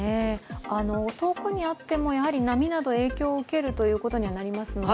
遠くにあっても波など影響を受けることになりますので。